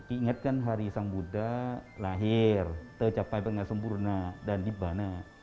ingatkan hari sang buddha lahir tercapai dengan sempurna dan di mana